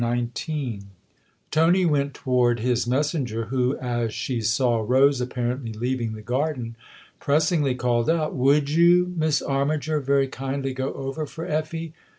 XIX TONY went toward his messenger, who, as she saw Rose apparently leaving the garden, pressingly called out :" Would you. Miss Armiger, very kindly go over for Effie